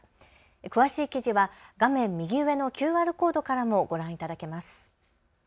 詳しい記事は画面右上のＱＲコードからもご覧いただけます。